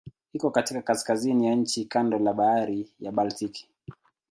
Iko katika kaskazini ya nchi kando la Bahari ya Baltiki.